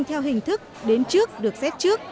theo hình thức đến trước được xét trước